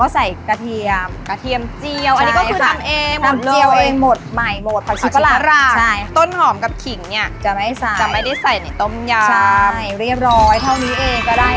สูตรพิเศษของจิ๋งละค่ะ